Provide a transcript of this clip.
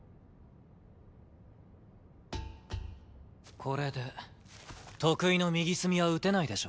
これで得意の右隅は撃てないでしょ